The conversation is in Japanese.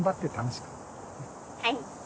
はい！